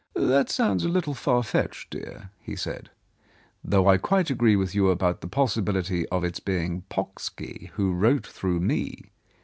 "That sounds a little far fetched, dear," he said, "though I quite agree with you about the possibility of its being Pocksky who wrote through me.